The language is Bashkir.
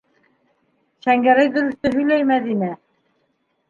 Шәңгәрәй дөрөҫтө һөйләй, Мәҙинә.